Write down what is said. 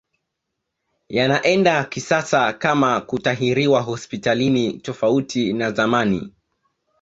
Yanaenda kisasa kama kutahiriwa hospitalini tofauti na zamani